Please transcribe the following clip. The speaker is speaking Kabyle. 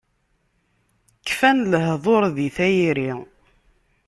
Kfan lehduṛ di tayri.